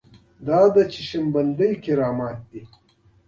دا د چشم بندۍ کمالات دي.